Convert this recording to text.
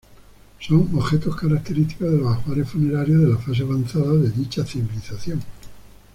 Son objetos característicos de los ajuares funerarios de la fase avanzada de dicha civilización.